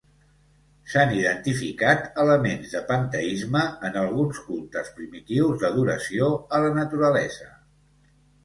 S'han identificat elements de panteisme en alguns cultes primitius d'adoració a la naturalesa.